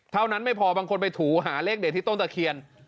เท่านั้นไม่พอบางคนไปถูหาเลขเด็ดที่ต้นตะเคียน